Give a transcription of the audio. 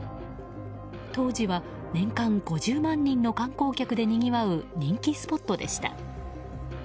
当時は年間５０万人の観光客でにぎわう人気スポットでした。